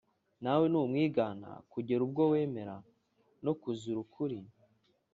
nawe numwigana, kugera ubwo wemera no kuzira ukuri